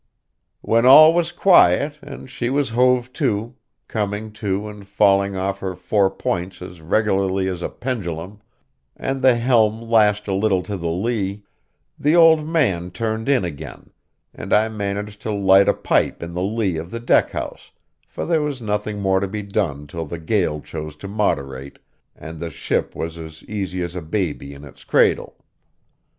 When all was quiet, and she was hove to, coming to and falling off her four points as regularly as a pendulum, and the helm lashed a little to the lee, the old man turned in again, and I managed to light a pipe in the lee of the deck house, for there was nothing more to be done till the gale chose to moderate, and the ship was as easy as a baby in its cradle.